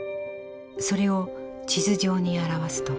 それを地図上に表すと。